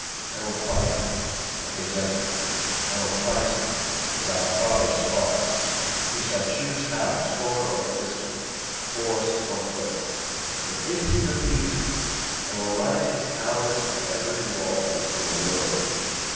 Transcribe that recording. I will fight him like a gentleman; I will fight him as our fathers fought. He shall choose how, sword or pistol, horse or foot. But if he refuses, I will write his cowardice on every wall in the world.